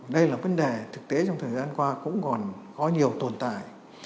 đây là vấn đề thực tế trong thời gian qua cũng còn có nhiều tồn tại